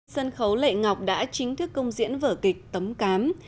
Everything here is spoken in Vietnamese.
sân khấu lệ ngọc đã chính thức công diễn vở kịch tấm cám